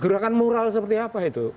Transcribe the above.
gerakan moral seperti apa itu